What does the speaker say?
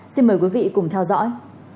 xin mời quý vị cùng theo dõi